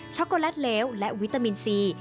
็อกโกแลตเลวและวิตามินซี